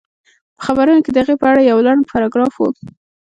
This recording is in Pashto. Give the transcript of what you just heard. په خبرونو کې د هغې په اړه يو لنډ پاراګراف و